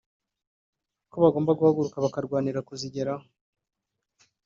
ko bagomba guhaguruka bakarwanira kuzigeraho